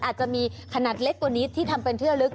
อาจจะมีขนาดเล็กตัวนี้ที่ทำเป็นเที่ยวลึก